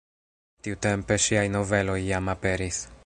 Tiutempe ŝiaj noveloj jam aperis.